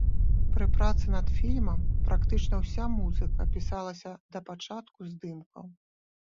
Пры працы над фільмам практычна ўся музыка пісалася да пачатку здымкаў.